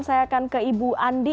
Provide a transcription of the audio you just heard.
saya akan ke ibu andi